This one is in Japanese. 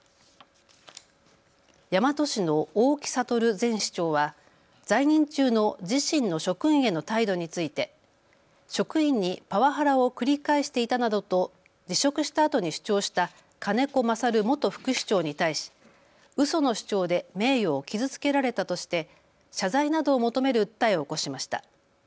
大和市の大木哲前市長は在任中の自身の職員への態度について職員にパワハラを繰り返していたなどと辞職したあとに主張した金子勝元副市長に対しうその主張で名誉を傷つけられたとして謝罪などを求める訴えを起こしました。